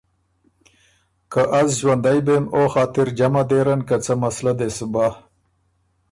که از ݫوَنديې بېم، او خاطر جمع دېرن که څۀ مسئلۀ دې سو بَۀ